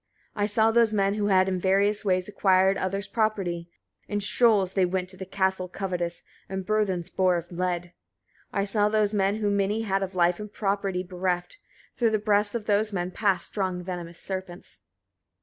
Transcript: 63. I saw those men who had in various ways acquired other's property: in shoals they went to Castle covetous, and burthens bore of lead. 64. I saw those men who many had of life and property bereft: through the breasts of those men passed strong venomous serpents.